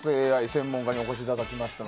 専門家にお越しいただきました。